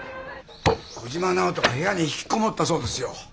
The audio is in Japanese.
小嶋尚人が部屋に引きこもったそうですよ。